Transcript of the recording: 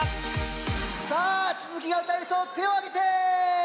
さあつづきが歌えるひとてをあげて！